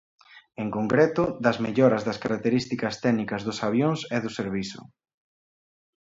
En concreto, das melloras das características técnicas dos avións e do servizo.